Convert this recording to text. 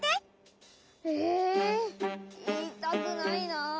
えいいたくないなあ。